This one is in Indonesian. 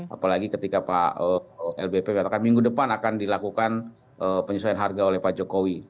apalagi ketika pak lbp katakan minggu depan akan dilakukan penyesuaian harga oleh pak jokowi